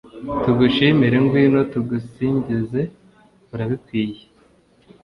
tugushimire, ngwino tugusingize urabikwiriye